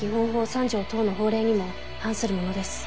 ３条等の法令にも反するものです。